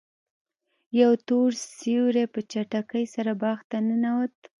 یو تور سیوری په چټکۍ سره باغ ته ننوت.